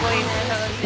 楽しい。